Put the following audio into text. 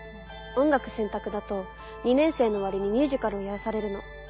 音楽選択だと２年生の終わりにミュージカルをやらされるの。